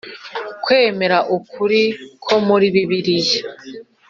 kwemera ukuri ko muri bibiliya